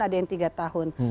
ada yang tiga tahun